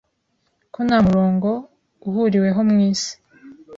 ko nta murongo uhuriweho mu isi